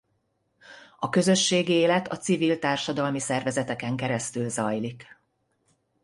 A közösségi élet a civil társadalmi szervezeteken keresztül zajlik.